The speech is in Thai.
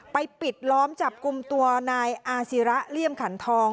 ปิดล้อมจับกลุ่มตัวนายอาศิระเลี่ยมขันทอง